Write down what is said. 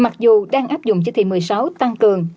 mặc dù đang áp dụng chỉ thị một mươi sáu tăng cường